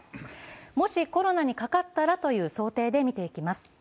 もしコロナにかかったらという想定で見ていきます。